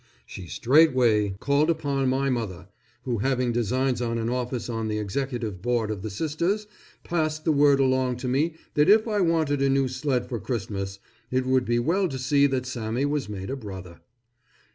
She straightway called upon my mother, who having designs on an office on the Executive Board of the Sisters, passed the word along to me that if I wanted a new sled for Christmas, it would be well to see that Sammy was made a Brother.